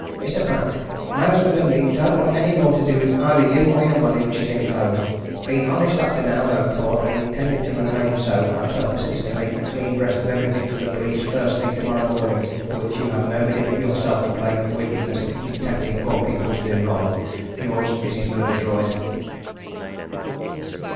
"MR PRATT, My husband and me don't want any more to do with either you or your money which it is enclosed. Been honest up to now though poor, and intending to remain so our purpose is to make a clean breast of everything to the police first thing tomorrow morning for which you have nobody but yourself to blame for wickedness in tempting poor people to do wrong. "Yours, MRS. MURGATROYD."